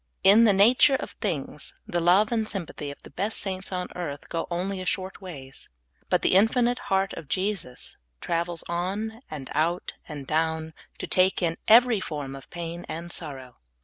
In the nature of things, the love and S3anpathy of the best saints on earth go only a short ways ; but the infinite heart of Jesus travels on /and out and down to take in every form of pain and sorrow.